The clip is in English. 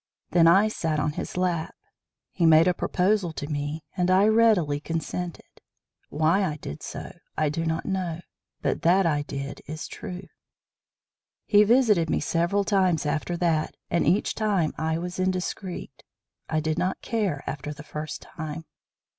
Then I sat on his lap. He made a proposal to me and I readily consented. Why I did so, I do not know, but that I did is true. He visited me several times after that and each time I was indiscreet. I did not care after the first time.